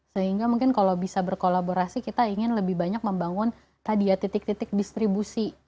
sehingga mungkin kalau bisa berkolaborasi kita ingin lebih banyak membangun tadi ya titik titik distribusi